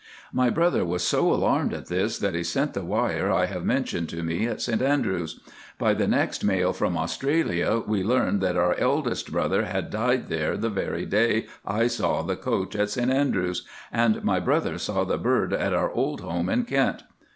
"My brother was so alarmed at this that he sent the wire I have mentioned to me at St Andrews. By the next mail from Australia we learned that our eldest brother had died there the very day I saw the coach at St Andrews and my brother saw the bird at our old home in Kent.